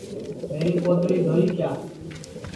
میری پوتڑی دھوئی کیا